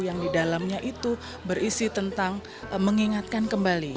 yang di dalamnya itu berisi tentang mengingatkan kembali